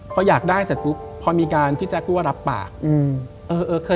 พออยากได้เสร็จปุ๊บพอมีการพี่แจ๊ครู้ว่ารับปาก